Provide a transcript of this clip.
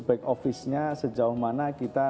back office nya sejauh mana kita